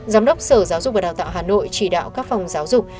giám đốc sở giáo dục và đào tạo hà nội chỉ đạo các phòng giáo dục